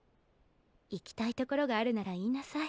行きたいところがあるなら言いなさい。